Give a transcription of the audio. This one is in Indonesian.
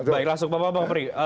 baik langsung bapak bapak pri